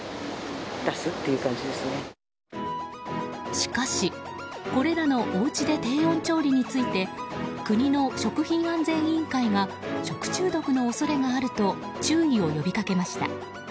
しかし、これらのおうちで低温調理について国の食品安全委員会が食中毒の恐れがあると注意を呼びかけました。